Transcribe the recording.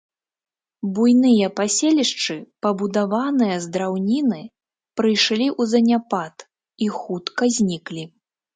Буйныя паселішчы, пабудаваныя з драўніны, прыйшлі ў заняпад і хутка зніклі.